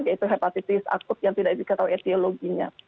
yaitu hepatitis akut yang tidak diketahui etiologinya